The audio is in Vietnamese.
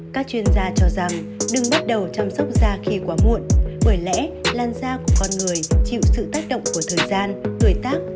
các chuyên gia cho rằng đừng bắt đầu chăm sóc da khi quá muộn bởi lẽ lan da của con người chịu sự tác động của thời gian tuổi tác